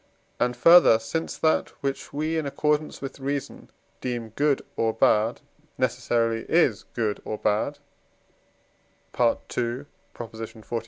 and further, since that which we, in accordance with reason, deem good or bad, necessarily is good or bad (II. xli.)